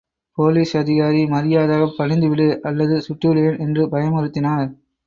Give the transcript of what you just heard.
Police அதிகாரி மரியாதையாகப் பணிந்துவிடு அல்லது சுட்டுவிடுவேன் என்று பயமுறுத்தினார்.